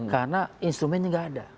karena instrumennya gak ada